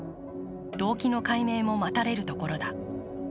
動機の解明も待たれるところだ。